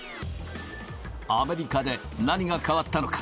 アメリカで何が変わったのか。